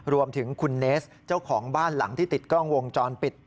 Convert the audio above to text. รวมถึงคุณเนสเจ้าของบ้านหลังที่ติดกล้องวงจรปิด